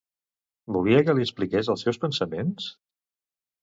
Volia que li expliqués els seus pensaments?